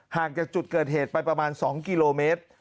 ห่างจากจุดเกิดเหตุไปประมาณ๒กิโลเมตร